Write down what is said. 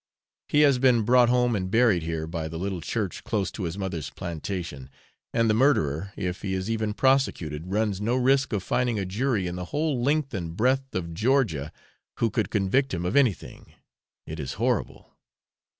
He has been brought home and buried here by the little church close to his mother's plantation; and the murderer, if he is even prosecuted, runs no risk of finding a jury in the whole length and breadth of Georgia who could convict him of anything. It is horrible.